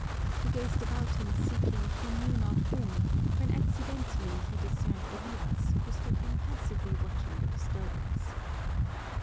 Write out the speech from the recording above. He gazed about him seeking he knew not whom, when accidentally he discerned Elias, who stood impassively watching the disturbance.